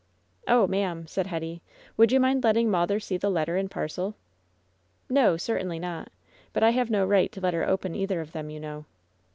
"Oh, ma'am," said Hetty, "would you mind letting mawther see the letter and parcel ?" "No, certainly not ; but I have no right to let her open either of them, you know."